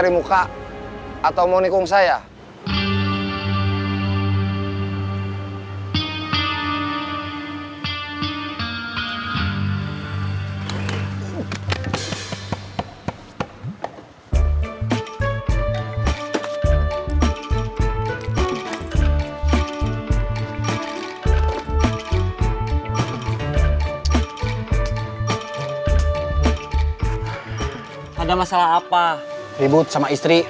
ribut sama istri